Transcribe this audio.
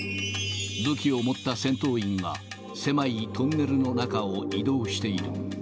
武器を持った戦闘員が、狭いトンネルの中を移動している。